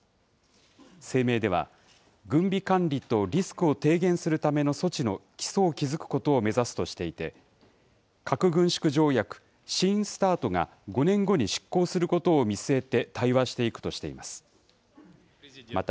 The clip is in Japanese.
声明では、軍備管理とリスクを低減するための措置の基礎を築くことを目指すとしていて、核軍縮条約、新ＳＴＡＲＴが５年後に失効することを見据えて対話していくとしています。